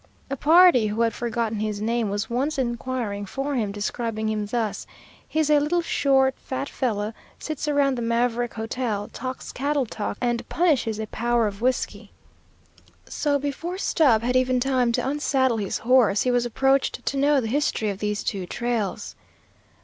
A party who had forgotten his name was once inquiring for him, describing him thus, "He's a little short, fat fellow, sits around the Maverick Hotel, talks cattle talk, and punishes a power of whiskey." So before Stubb had even time to unsaddle his horse, he was approached to know the history of these two trails.